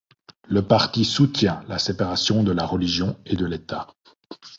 Le parti soutient la séparation de la religion et de l'État.